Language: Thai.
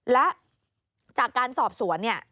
และจากการสอบสวนเนี่ย